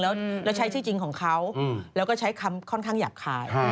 แล้วใช้ชื่อจริงของเขาแล้วก็ใช้คำค่อนข้างหยาบคาย